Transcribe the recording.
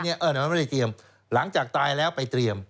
เราไม่ได้เตรียมหลังจากตายแล้วไปเตรียม